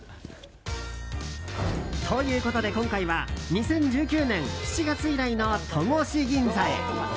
ということで今回は２０１９年７月以来の戸越銀座へ。